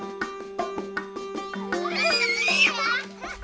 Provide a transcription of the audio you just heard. ada pelanannya kenceng mau pilih yang kenceng